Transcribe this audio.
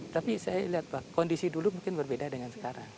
tapi saya lihat pak kondisi dulu mungkin berbeda dengan sekarang